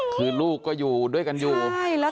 แล้วพ่อมาเอามันทำไมอ่ะ